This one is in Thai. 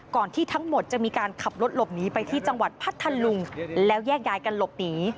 ที่ทั้งหมดจะมีการขับรถหลบหนีไปที่จังหวัดพัทธลุงแล้วแยกย้ายกันหลบหนี